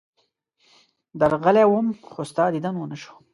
درغلی وم، خو ستا دیدن ونه شو.